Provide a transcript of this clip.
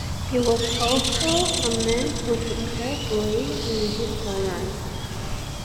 He was also a man whose success lay in his tolerance.